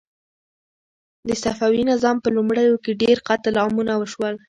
د صفوي نظام په لومړیو کې ډېر قتل عامونه وشول.